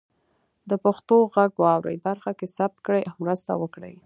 د پښتو غږ واورئ برخه کې ثبت کړئ او مرسته وکړئ.